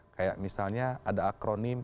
kayak misalnya ada akronim